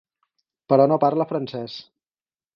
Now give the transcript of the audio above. Però no parla francès.